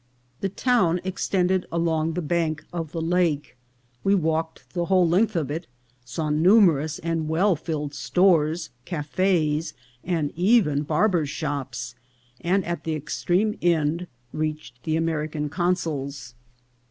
The town extended along the bank of the lake. We walked the whole length of it, saw numerous and well filled stores, cafes, and even barbers' shops, and at the extreme end reached the American consul's.